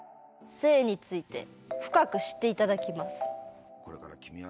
性について深く知っていただきます。